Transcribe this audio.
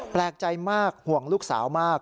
แปลกใจมากห่วงลูกสาวมาก